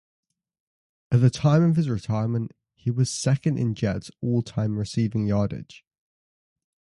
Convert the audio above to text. At the time of his retirement, he was second in Jets all-time receiving yardage.